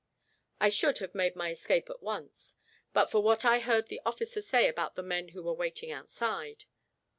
I should have made my escape at once; but for what I heard the officer say about the men who were waiting outside.